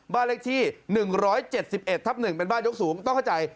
บ้านเลขที่๑๗๑ทับ๑เป็นบ้านยกสูงต้องเข้าใจ